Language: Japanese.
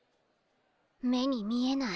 目に見えない